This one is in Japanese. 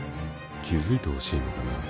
［気付いてほしいのかな？